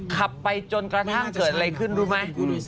ขับไปจนกระทั่งเกิดอะไรขึ้นรู้ไหม